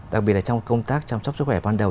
đặc biệt là trong công tác chăm sóc sức khỏe ban đầu